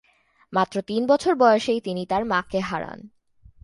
মাত্র তিন বছর বয়সেই তিনি তার মাকে হারান।